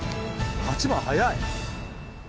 ８番早い！